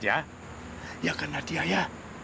ya kan nadia ya